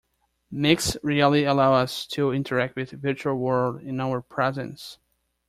Mixed reality allows us to interact with the virtual world in our presence.